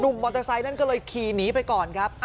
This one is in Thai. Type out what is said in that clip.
มอเตอร์ไซค์นั้นก็เลยขี่หนีไปก่อนครับ